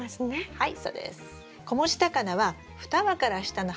はい。